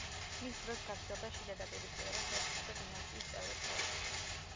მის დროს გაგრძელდა შიდა დაპირისპირება სელჩუკთა დინასტიის წევრებს შორის.